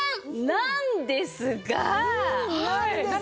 なんですが。